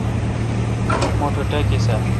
مٹھ ٹاکیس اؘ ۔